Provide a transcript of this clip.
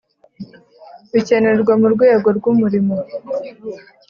Bikenerwa mu rwego rw’umurimo